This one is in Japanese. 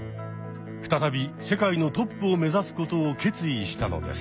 再び世界のトップをめざすことを決意したのです。